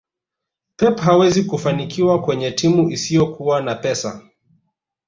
pep hawezi kufanikiwa kwenye timu isiyokuwa na pesa